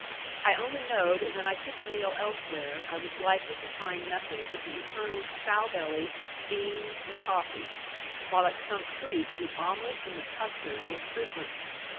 I only know that when I took a meal elsewhere, I was likely to find nothing but the eternal "sowbelly," beans, and coffee; while at Sunk Creek the omelet and the custard were frequent.